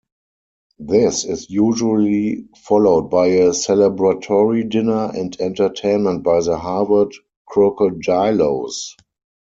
This is usually followed by a celebratory dinner and entertainment by the Harvard Krokodiloes.